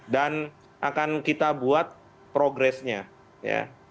dan akan kita buat progresnya ya